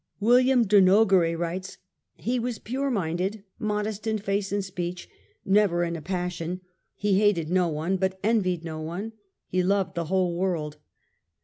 William de Nogaret writes :" He was pure minded, modest in face and speech ; never in a passion, he hated no one, he envied no one, he loved the whole world.